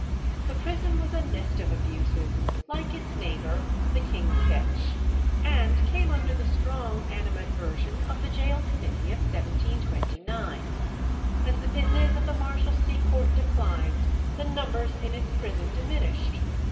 The prison was a nest of abuses, like its neighbour the King's Bench, and came under the strong animadversion of the Gaol Committee of 1729. As the business of the Marshalsea Court declined, the numbers in its prison diminished.